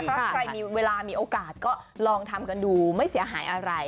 เพราะใครมีเวลามีโอกาสก็ลองทำกันดูไม่เสียหายอะไร